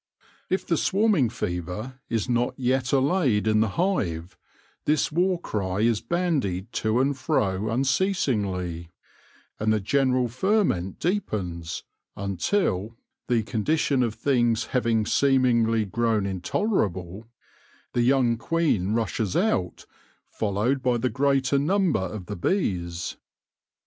If the swarming fever is not yet allayed in the hive, this war cry is bandied to and fro unceasingly ; and the general fer ment deepens, until, the condition of things having i 3 4 THE LORE OF THE HONEY BEE seemingly grown intolerable, the young queen rushes out, followed by the greater number of the bees.